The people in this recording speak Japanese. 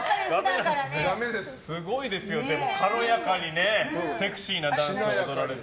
すごいですね、軽やかにセクシーなダンスを踊られて。